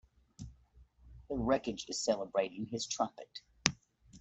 The rogue is celebrating his triumph.